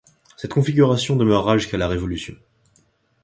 Cette configuration demeurera jusqu'à la Révolution.